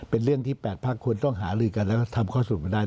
เป็นเรื่องที่แปดพรรคควรต้องหาลืกกันแล้วทำข้อสูตรมาได้